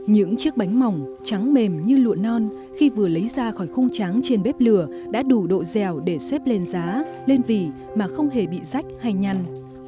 những chiếc bánh mỏng trắng mềm như lụa non khi vừa lấy ra khỏi khung tráng trên bếp lửa đã đủ độ dẻo để xếp lên giá lên vỉ mà không hề bị rách hay nhăn